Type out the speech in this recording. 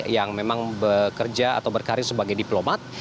yang memang bekerja atau berkarir sebagai diplomat